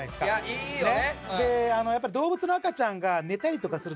良いよね！